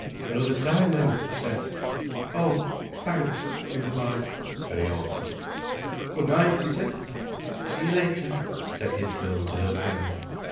"Another time, then?" he said. "Oh, thanks," she replied, very awkward. "Good night," he said. "See you later," said his girl to her friend.